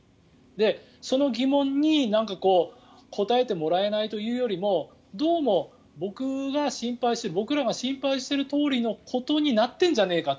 その疑問に答えてもらえないというよりもどうも僕らが心配しているとおりのことになっているんじゃないかと。